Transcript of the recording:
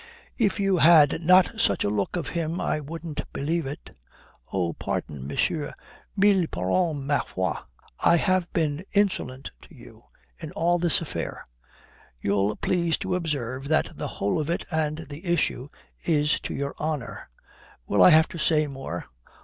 "If you had not such a look of him I wouldn't believe it. Oh, pardon, monsieur, mille pardons, ma foi. I have been insolent to you in all this affair. You'll please to observe that the whole of it, and the issue, is to your honour. Will I have to say more?"